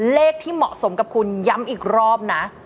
เลขที่เหมาะสมกับคุณย้ำอีกรอบนะ